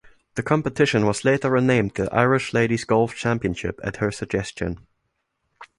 The competition was later renamed the Irish Ladies Golf Championship at her suggestion.